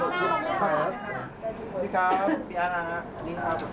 ขอบคุณพี่ด้วยนะครับ